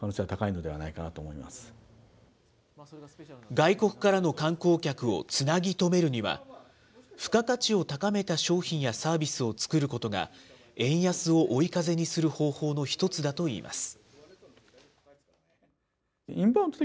外国からの観光客をつなぎ止めるには、付加価値を高めた商品やサービスを作ることが、円安を追い風にする方法の一つだといいます。